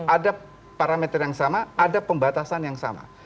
ada parameter yang sama ada pembatasan yang sama